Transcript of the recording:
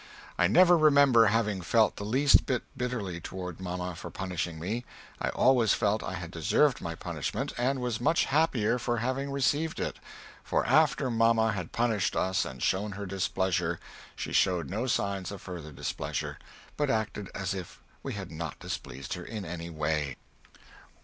I never remember having felt the least bit bitterly toward mamma for punishing me. I always felt I had deserved my punishment, and was much happier for having received it. For after mamma had punished us and shown her displeasure, she showed no signs of further displeasure, but acted as if we had not displeased her in any way.